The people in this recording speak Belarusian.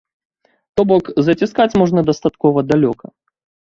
То бок, заціскаць можна дастаткова далёка.